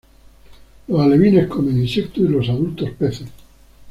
Los alevines comen insectos y los adultos peces.